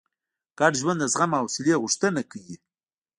ګډ ژوند د زغم او حوصلې غوښتنه کوي.